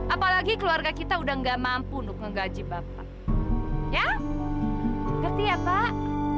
apalagi keluarga kita udah nggak mampu untuk menggaji bapak ya ngerti ya pak